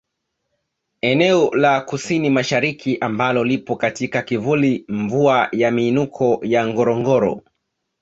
Eneo la KusiniMashariki ambalo lipo katika kivuli mvua ya miinuko ya Ngorongoro